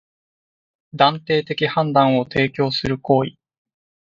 断定的判断を提供する行為